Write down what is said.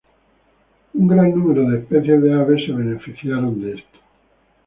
Un gran número de especies de aves se beneficiaron de esto.